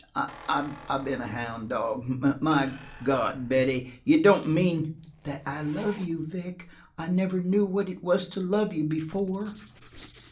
"I been a houn' dog. My God, Betty, you don't mean " "That I love you, Vic. I never knew what it was to love you before."